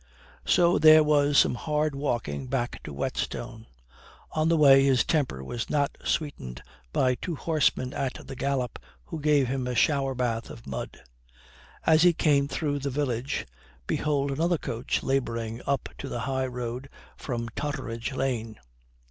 So there was some hard walking back to Whetstone. On the way his temper was not sweetened by two horsemen at the gallop who gave him a shower bath of mud. As he came through the village, behold another coach labouring up to the high road from Totteridge lane.